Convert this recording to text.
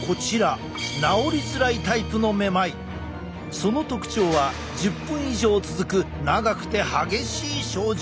その特徴は１０分以上続く長くて激しい症状。